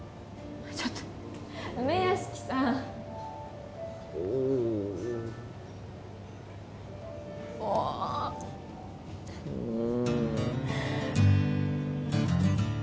ちょっと梅屋敷さんうーもう！